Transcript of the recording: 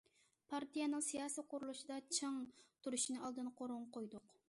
پارتىيەنىڭ سىياسىي قۇرۇلۇشىدا چىڭ تۇرۇشنى ئالدىنقى ئورۇنغا قويدۇق.